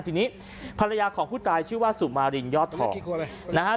ทีนี้ภรรยาของผู้ตายชื่อว่าสุมารินยอดทองนะฮะ